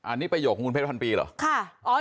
อันนี้ไปโหลกของคุณเพศพันปีหรอ